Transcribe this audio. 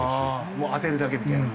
もう当てるだけみたいな。